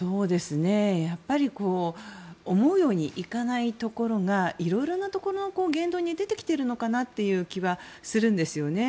やっぱり思うようにいかないところが色々なところの言動に出てきているのかなという気はするんですね。